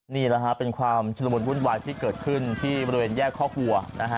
นี่แหละครับเป็นความชุดละบุญวุ่นวายที่เกิดขึ้นที่บริเวณแยกข้อครัว